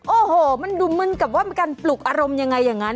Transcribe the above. โอ้โหมันดูเหมือนกับว่ามีการปลุกอารมณ์ยังไงอย่างนั้น